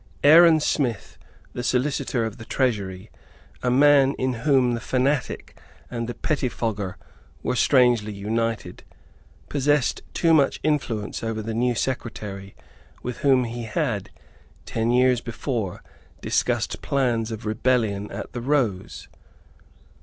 Aaron Smith, the solicitor of the Treasury, a man in whom the fanatic and the pettifogger were strangely united, possessed too much influence over the new Secretary, with whom he had, ten years before, discussed plans of rebellion at the Rose.